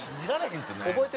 覚えてる？